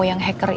yang hacker itu